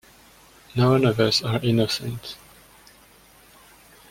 None of us are innocent.